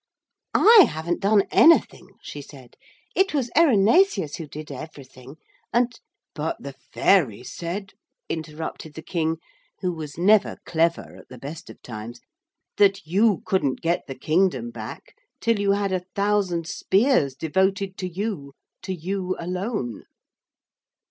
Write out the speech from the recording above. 'I haven't done anything,' she said. 'It was Erinaceus who did everything, and....' 'But the fairies said,' interrupted the King, who was never clever at the best of times, 'that you couldn't get the kingdom back till you had a thousand spears devoted to you, to you alone.'